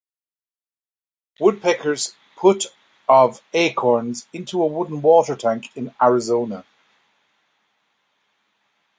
Woodpeckers put of acorns into a wooden water tank in Arizona.